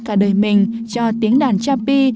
cả đời mình cho tiếng đàn chapi